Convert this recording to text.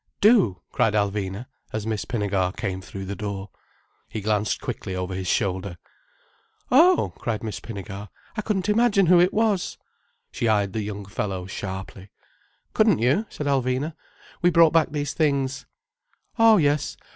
"Do!" cried Alvina, as Miss Pinnegar came through the door. He glanced quickly over his shoulder. "Oh!" cried Miss Pinnegar. "I couldn't imagine who it was." She eyed the young fellow sharply. "Couldn't you?" said Alvina. "We brought back these things." "Oh yes.